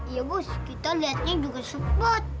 iya bos kita lihatnya juga sempat